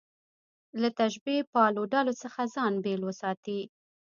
له تشبیه پالو ډلو څخه ځان بېل وساتي.